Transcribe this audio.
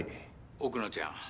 奥野ちゃん